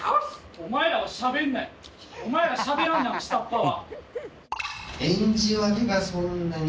お前らしゃべらんねん下っ端は。